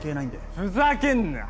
ふざけんな！